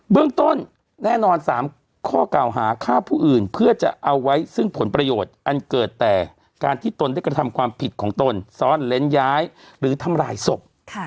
เรื่องต้นแน่นอน๓ข้อกล่าวหาฆ่าผู้อื่นเพื่อจะเอาไว้ซึ่งผลประโยชน์อันเกิดแต่การที่ตนได้กระทำความผิดของตนซ่อนเล้นย้ายหรือทำลายศพ